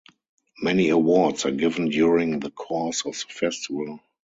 Many awards are given during the course of the festival.